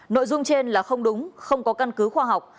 nội dung trên là không đúng không có căn cứ khoa học